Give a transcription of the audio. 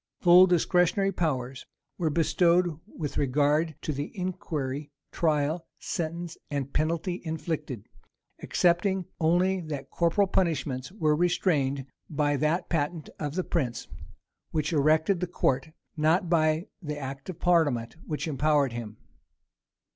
Full discretionary powers were bestowed with regard to the inquiry, trial, sentence, and penalty inflicted; excepting only that corporal punishments were restrained by that patent of the prince which erected the court, not by the act of parliament which empowered him.